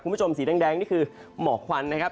คุณผู้ชมสีแดงนี่คือหมอกควันนะครับ